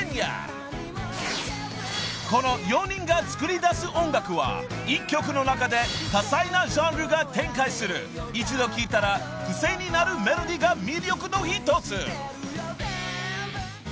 ［この４人が作り出す音楽は１曲の中で多彩なジャンルが展開する一度聴いたら癖になるメロディーが魅力の一つ］